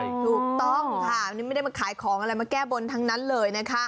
ถูกต้องค่ะนี่ไม่ได้มาขายของอะไรมาแก้บนทั้งนั้นเลยนะคะ